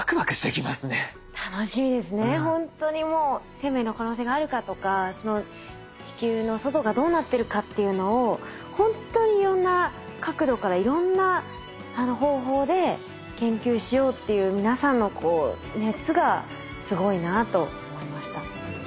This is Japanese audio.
生命の可能性があるかとか地球の外がどうなってるかっていうのを本当にいろんな角度からいろんな方法で研究しようっていう皆さんのこう熱がすごいなあと思いました。